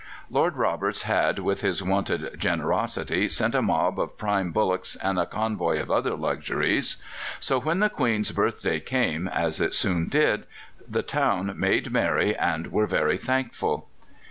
Lord Roberts had, with his wonted generosity, sent a mob of prime bullocks and a convoy of other luxuries. So when the Queen's birthday came, as it soon did, the town made merry and were very thankful.